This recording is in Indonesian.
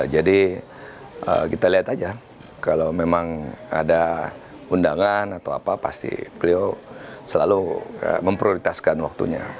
jadi kita lihat aja kalau memang ada undangan atau apa pasti beliau selalu memprioritaskan waktunya